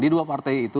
di dua partai itu